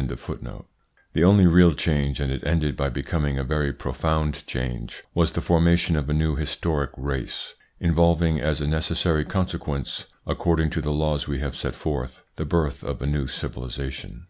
1 The only real change, and it ended by becoming a very profound change, was the formation of a new historic race, involving as a necessary consequence according to the laws we have set forth the birth of a new civilisation.